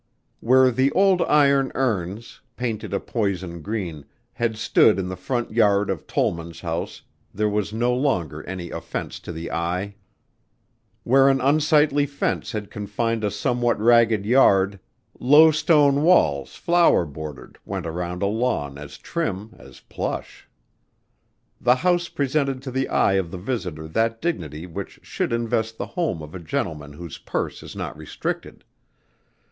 Where the old iron urns, painted a poison green, had stood in the front yard of Tollman's house there was no longer any offense to the eye. Where an unsightly fence had confined a somewhat ragged yard, low stone walls, flower bordered, went around a lawn as trim as plush. The house presented to the eye of the visitor that dignity which should invest the home of a gentleman whose purse is not restricted.